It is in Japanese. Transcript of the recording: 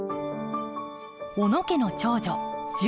小野家の長女純子。